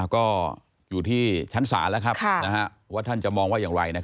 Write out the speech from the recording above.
ก็อยู่ที่ชั้นศาลแล้วว่าท่านจะมองว่าอย่างไร